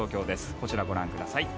こちらご覧ください。